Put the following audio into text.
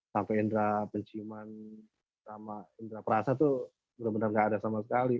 sampai indera penciuman sama indera perasa itu benar benar nggak ada sama sekali